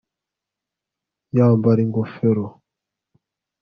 yambara ingofero